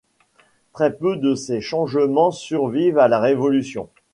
Très peu de ces changements survivent à la Révolution.